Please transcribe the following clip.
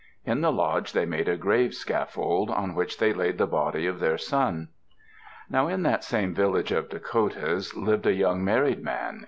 In the lodge they made a grave scaffold, on which they laid the body of their son. Now in that same village of Dakotas lived a young married man.